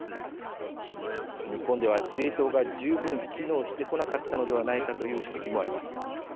日本では「司令塔が十分機能してこなかったのではないか」という指摘もあります。